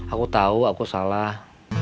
aku tau aku salah